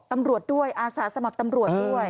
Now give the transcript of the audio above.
ตำรวจด้วยอาสาสมัครตำรวจด้วย